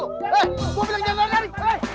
hei gue bilang jangan lari